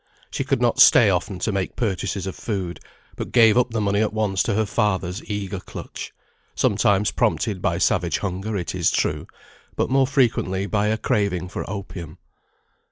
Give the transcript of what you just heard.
She could not stay often to make purchases of food, but gave up the money at once to her father's eager clutch; sometimes prompted by savage hunger it is true, but more frequently by a craving for opium.